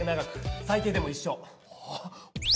最低でも一生。